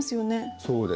そうです。